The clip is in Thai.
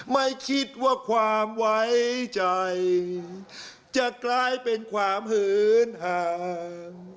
ไม่คิดว่าความไว้ใจจะกลายเป็นความหืนห่าง